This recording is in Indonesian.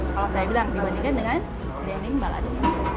kalau saya bilang dibandingkan dengan dendeng balado